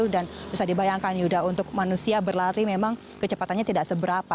dan bisa dibayangkan yuda untuk manusia berlari memang kecepatannya tidak seberapa